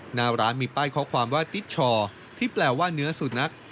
หน้าร้านมีป้ายข้อความว่าติ๊ดชอที่แปลว่าเนื้อสุนัข